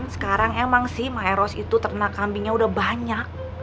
sekarang emang sih maeros itu ternak kambingnya udah banyak